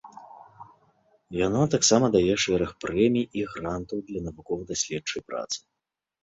Яно таксама дае шэраг прэмій і грантаў для навукова-даследчай працы.